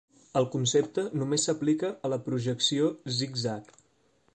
El concepte només s'aplica a la projecció Zigzag.